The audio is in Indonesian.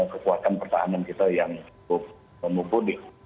kekuatan pertahanan kita yang cukup memumpuni